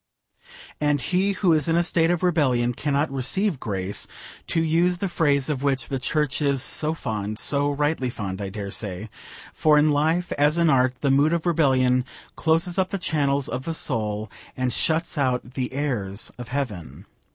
And he who is in a state of rebellion cannot receive grace, to use the phrase of which the Church is so fond so rightly fond, I dare say for in life as in art the mood of rebellion closes up the channels of the soul, and shuts out the airs of heaven.